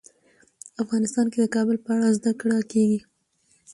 افغانستان کې د کابل په اړه زده کړه کېږي.